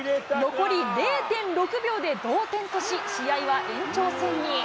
残り０．６秒で同点とし、試合は延長戦に。